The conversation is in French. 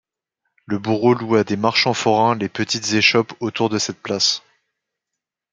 Le bourreau loue à des marchands forains les petites échoppes autour de cette place.